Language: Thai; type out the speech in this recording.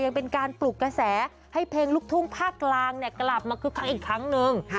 ยังเป็นการปลุกกระแสให้เพลงลูกทุ่งภาคกลางกลับมาคึกคักอีกครั้งนึง